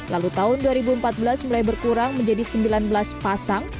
lalu tahun dua ribu empat belas mulai berkurang menjadi sembilan belas pasang